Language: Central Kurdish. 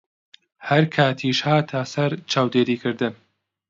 هەر کاتیش هاتە سەر چاودێریکردن